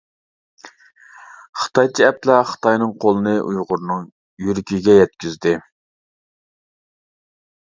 خىتايچە ئەپلەر خىتاينىڭ قولىنى ئۇيغۇرنىڭ يۈرىكىگە يەتكۈزدى.